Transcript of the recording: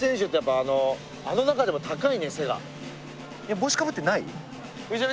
帽子かぶってない。